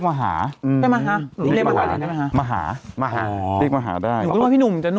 เขาเรียกมหา